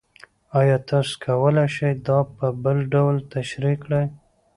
ایا تاسو کولی شئ دا په بل ډول تشریح کړئ؟